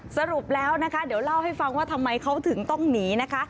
สรุปแล้วนะคะเดี๋ยวเล่าให้ฟังว่าทำไมเขาถึงต้องหนีนะคะ